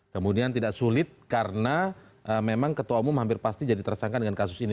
kemudian tidak sulit karena memang ketua umum hampir pasti jadi tersangka dengan kasus ini